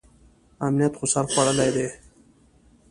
امنیت خو سر خوړلی دی.